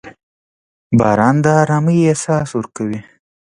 • باران د ارامۍ احساس ورکوي.